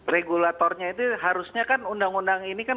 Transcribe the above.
regulatornya itu harusnya kan undang undang ini kan